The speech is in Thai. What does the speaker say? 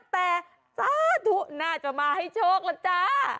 แต่สาธุน่าจะมาให้โชคละจ้า